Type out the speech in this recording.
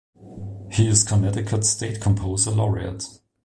He is Connecticut's State Composer Laureate.